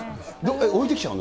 置いてきちゃうの？